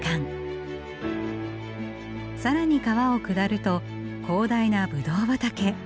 更に川を下ると広大なぶどう畑。